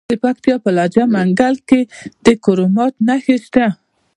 د پکتیا په لجه منګل کې د کرومایټ نښې شته.